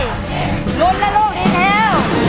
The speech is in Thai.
รวมและโลกดีเทล